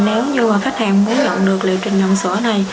nếu như khách hàng muốn nhận được liệu trình nhận sữa này